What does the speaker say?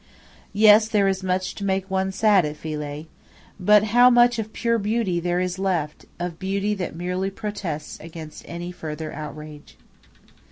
Yes, there is much to make one sad at Philae. But how much of pure beauty there is left of beauty that merely protests against any further outrage!